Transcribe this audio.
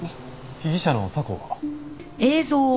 被疑者の佐向は？